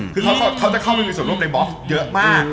คือเขาจะเข้าไปมีส่วนร่วมในบอสเยอะมาก